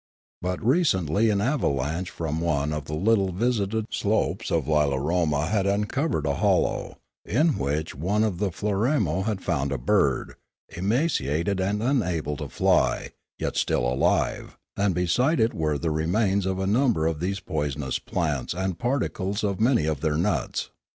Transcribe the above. But recently an ava lanche from one of the little visited slopes of Lilaroma had uncovered a hollow, in which one of the Floramo had found a bird, emaciated and unable to fly, yet still alive; and beside it were the remains of a number of these poison plants and particles of many of their nuts.